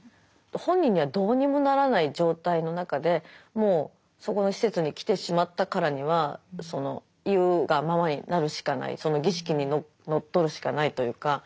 本人にはどうにもならない状態の中でもうそこの施設に来てしまったからには言うがままになるしかないその儀式にのっとるしかないというか。